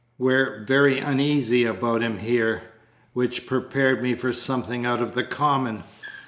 We're very uneasy about him here,' which prepared me for something out of the common.